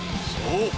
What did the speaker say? そう！